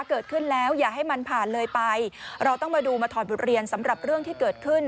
เกิดขึ้นแล้วอย่าให้มันผ่านเลยไปเราต้องมาดูมาถอดบทเรียนสำหรับเรื่องที่เกิดขึ้น